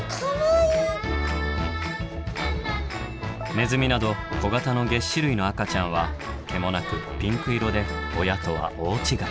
ネズミなど小型のげっ歯類の赤ちゃんは毛もなくピンク色で親とは大違い。